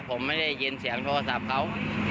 ผมไม่ได้ยินเสียงโทรศัพท์เขา